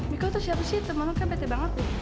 miko tuh siapa sih temen lo kan bete banget tuh